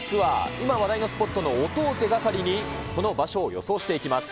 今話題のスポットの音を手がかりに、その場所を予想していきます。